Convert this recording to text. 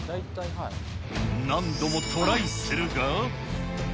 何度もトライするが。